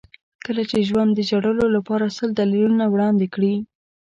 کله چې ژوند د ژړلو لپاره سل دلیلونه وړاندې کړي.